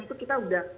itu kita sudah